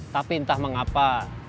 tapi entah mengapa